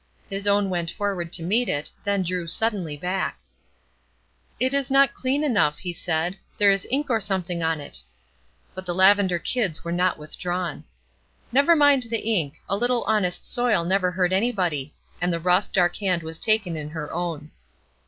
His own went forward to meet it; then drew suddenly back. "It is not clean enough," he said; "there's ink or something on it."' But the lavender kids were not withdrawn. "Never mind the ink; a little honest soil never hurt anybody," and the rough, dark hand was taken in her own.